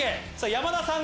山田さん